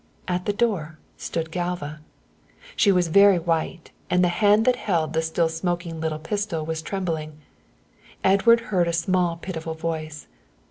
At the door stood Galva. She was very white, and the hand that held the still smoking little pistol was trembling. Edward heard a small pitiful voice.